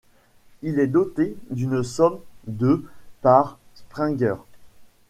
Il est doté d'une somme de par Springer.